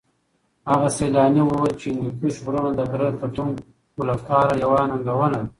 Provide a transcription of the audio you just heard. هغه سېلاني وویل چې د هندوکش غرونه د غره ختونکو لپاره یوه ننګونه ده.